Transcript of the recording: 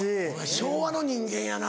昭和の人間やな。